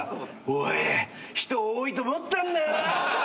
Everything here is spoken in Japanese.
おい人多いと思ったんだよな。